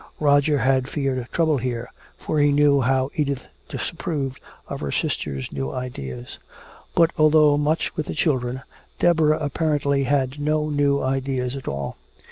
Roger had feared trouble there, for he knew how Edith disapproved of her sister's new ideas. But although much with the children, Deborah apparently had no new ideas at all.